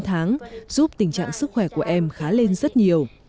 sáu tháng giúp tình trạng sức khỏe của em khá lên rất nhiều